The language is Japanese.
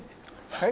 はい？